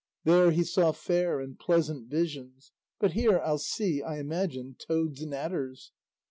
There he saw fair and pleasant visions, but here I'll see, I imagine, toads and adders.